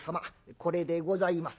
これでございます」。